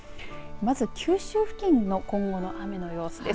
九州付近の今後の雨の様子です。